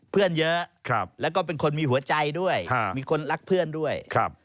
เพื่อนเยอะแล้วก็เป็นคนมีหัวใจด้วยมีคนรักเพื่อนด้วย